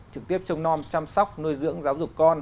trực tiếp trông non chăm sóc nuôi dưỡng giáo dục con